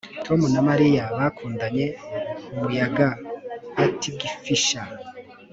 Tom na Mariya bakundanye umuyaga patgfisher